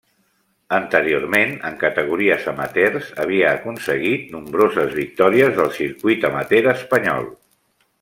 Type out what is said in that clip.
Anteriorment, en categories amateurs, havia aconseguit nombroses victòries del circuit amateur espanyol.